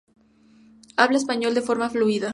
Habla español de forma fluida.